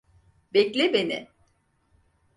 Bekle beni!